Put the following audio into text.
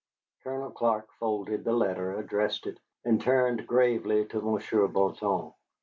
Colonel Clark folded the letter, addressed it, and turned gravely to Monsieur Bouton.